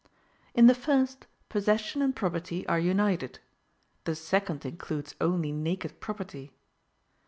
In the first, possession and property are united; the second includes only naked property.